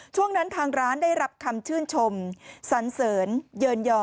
ช่วงนั้นทางร้านได้รับคำชื่นชมสันเสริญเยินยอ